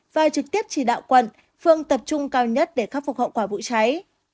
và trực tiếp chỉ đạo quận phương tập trung cao nhất để khắc phục hậu quả vụ cháy